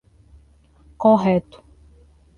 Correto.